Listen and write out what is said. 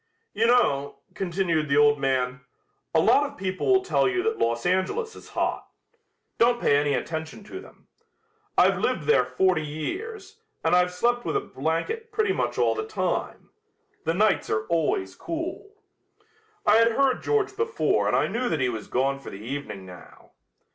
"You know," continued the old man, "a lot of people will tell you that Los Angeles is hot. Don't pay any attention to them. I've lived there forty years, and I've slept with a blanket pretty much all the time. The nights are always cool." I had heard George before and I knew that he was gone for the evening now.